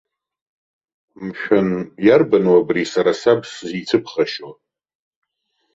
Мшәан, иарбану абри сара саб сзицәыԥхашьо?!